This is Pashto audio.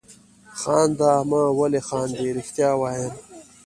خانده مه ولې خاندې؟ رښتیا وایم.